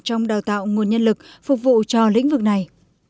trong đào tạo nguồn nhân lực phục vụ cho lĩnh vực này